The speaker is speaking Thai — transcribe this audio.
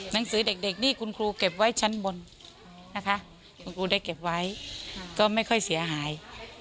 หนังสือเด็กนี่คุณครูเก็บไว้ชั้นบนนะคะคุณครูได้เก็บไว้ก็ไม่ค่อยเสียหาย